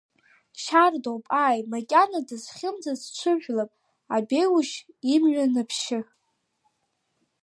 Шьардоуп, ааи, макьана дызхьымӡац, дҽыжәлап, адәеиужь имҩа наԥшьы.